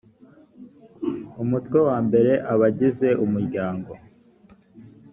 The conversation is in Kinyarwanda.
umutwe wa mbere abagize umuryango